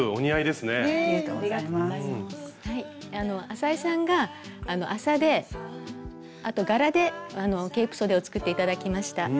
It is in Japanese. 浅井さんが麻であと柄でケープそでを作って頂きました。